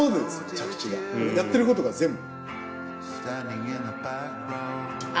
着地がやってることが全部。